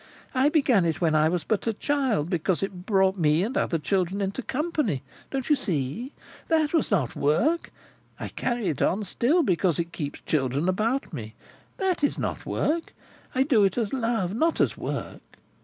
"I began it when I was but a child, because it brought me and other children into company, don't you see? That was not work. I carry it on still, because it keeps children about me. That is not work. I do it as love, not as work.